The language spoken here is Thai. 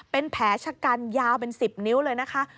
เป็นแผลชะกันยาวเป็น๑๐นิ้วเลยนะคะ